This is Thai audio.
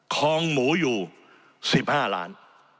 คลองหมูอยู่๑๕ล้าน